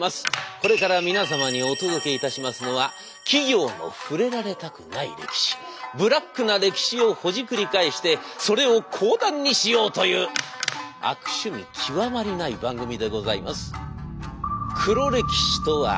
これから皆様にお届けいたしますのは企業の触れられたくない歴史ブラックな歴史をほじくり返してそれを講談にしようという悪趣味極まりない番組でございます。